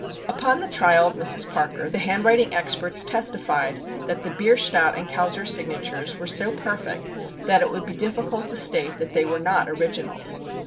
Upon the trial of Mrs. Parker the hand writing experts testified that the Bierstadt and Kauser signatures were so perfect that it would be difficult to state that they were not originals.